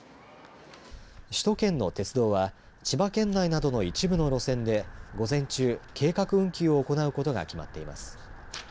首都圏の鉄道は千葉県内などの一部の路線で午前中、計画運休を行うことが決まっています。